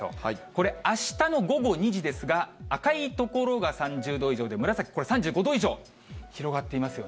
これ、あしたの午後２時ですが、赤い所が３０度以上で、紫、これ３５度以上、広がっています